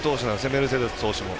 メルセデス投手も。